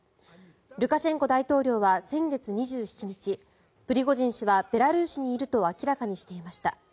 ルカシェンコ大統領は先月２７日プリゴジン氏はベラルーシにいると明らかにしていました。